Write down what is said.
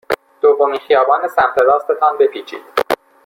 دومین خیابان سمت راست تان بپیچید.